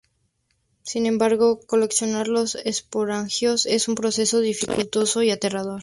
Sin embargo, coleccionar los esporangios es un proceso dificultoso y aterrador.